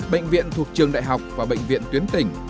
bệnh viện thuộc trường đại học và bệnh viện tuyến tỉnh